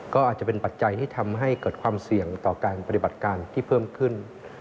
ก็อาจจะเป็นปัจจัยที่ทำให้เกิดความเสี่ยงต่อการปฏิบัติการที่เพิ่มขึ้น